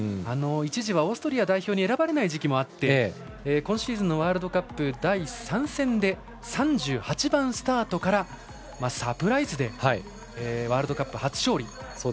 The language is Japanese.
一時はオーストリア代表に選ばれない時期もあって今シーズンのワールドカップ第３戦で３８番スタートからワールドカップ初勝利。